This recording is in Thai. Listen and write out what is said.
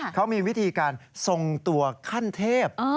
เขามีวิธีการทรงตัวขั้นเทพ